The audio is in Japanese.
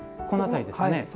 この辺りですかね。